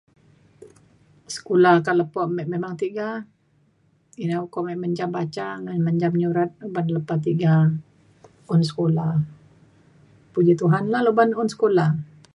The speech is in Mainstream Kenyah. sekula kak lepo me memang tiga. ina ukok me menjam baca ngan menjam nyurat uban lepa tiga un sekula. puji Tuhan la uban lu un sekula.